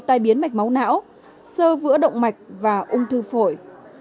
tai biến mạch máu não sơ vữa động mạch và ung thư phổi